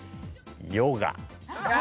ヨガ。